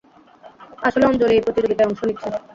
আসলে আঞ্জলি ও এই প্রতিযোগিতায় অংশ নিচ্ছে।